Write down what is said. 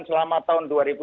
selama tahun dua ribu dua puluh